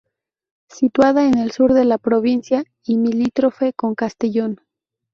Situada en el sur de la provincia y limítrofe con Castellón.